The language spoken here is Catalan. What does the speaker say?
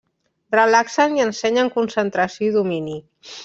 Relaxen i ensenyen concentració i domini.